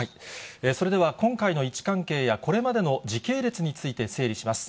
それでは、今回の位置関係や、これまでの時系列について整理します。